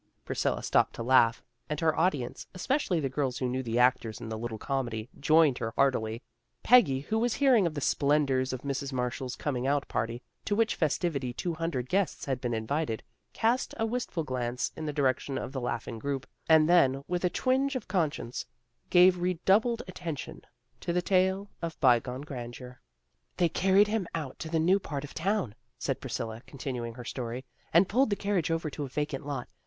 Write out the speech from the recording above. Priscilla stopped to laugh, and her audience, especially the girls who knew the actors in the little comedy, joined her heartily. Peggy, who was hearing of the splendors of Mrs. Marshall's coming out party, to which festivity two hundred guests had been invited, cast a wistful glance in the direction of the laughing group, and then, with a twinge of conscience, gave redoubled attention to the tale of by gone grandeur. 90 THE GIRLS OF FRIENDLY TERRACE " They carried him out to the new part of town," said Priscilla, continuing her story, " and pulled the carriage over to a vacant lot.